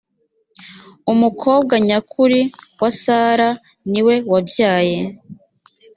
umukobwa nyakuri wa sara niwe wabyaye.